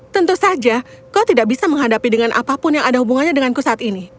tentu saja kau tidak bisa menghadapi dengan apapun yang ada hubungannya denganku saat ini